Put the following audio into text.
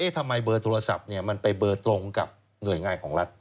ทำไมเบอร์โทรศัพท์มันไปเบอร์ตรงกับหน่วยงานของรัฐ